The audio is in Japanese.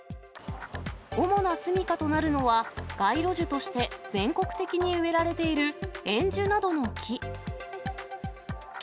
主な住みかとなるのは、街路樹として全国的に植えられているエンジュなどの木。